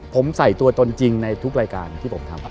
ผมใส่ตัวตนจริงในทุกรายการที่ผมทำ